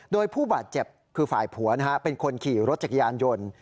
โดยผู้บาดเจ็บคือฝ่ายผัวเป็นคนขี่รถจักรยานยนต์